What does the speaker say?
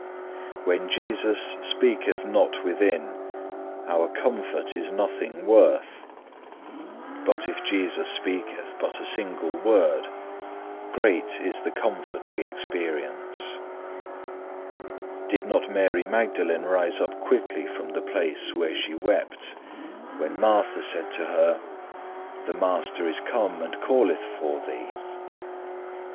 When Jesus speaketh not within, our comfort is nothing worth, but if Jesus speaketh but a single word great is the comfort we experience. Did not Mary Magdalene rise up quickly from the place where she wept when Martha said to her, The Master is come and calleth for thee?